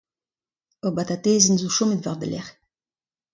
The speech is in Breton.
Ur batatezenn a zo chomet war da lerc'h.